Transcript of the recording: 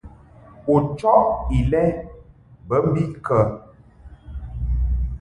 U chɔʼ ilɛ bə mbiʼ kə ?